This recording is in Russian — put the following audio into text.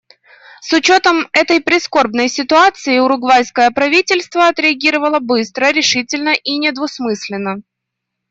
С учетом этой прискорбной ситуации, уругвайское правительство отреагировало быстро, решительно и недвусмысленно.